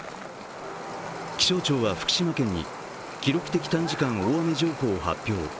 気象庁は福島県に記録的短時間大雨情報を発表